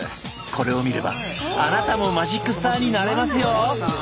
これを見ればあなたもマジックスターになれますよ！